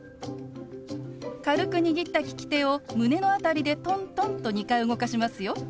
軽く握った利き手を胸の辺りでトントンと２回動かしますよ。